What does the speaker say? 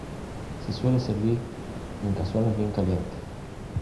Se suele servir en cazones bien caliente.